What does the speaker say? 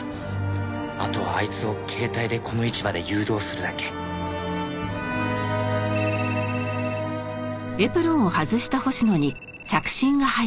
あとはあいつを携帯でこの位置まで誘導するだけもしもし。